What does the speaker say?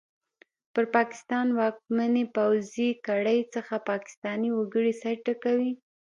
پر پاکستان واکمنې پوځي کړۍ څخه پاکستاني وګړي سر ټکوي!